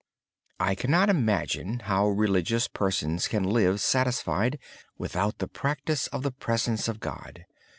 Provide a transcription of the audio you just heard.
I cannot imagine how religious persons can live satisfied without the practice of the presence of God.